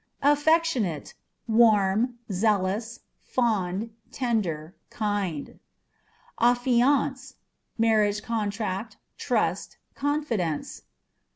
Affectionate â€" warm, zealous, fond, tender, kind. Affiance â€" marriage contract, trust, confidence.